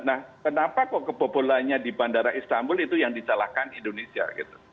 nah kenapa kok kebobolannya di bandara istanbul itu yang disalahkan indonesia gitu